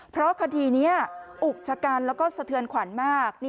เพราะคดีนี้อุกชะกันแล้วก็สะเทือนขวัญมาก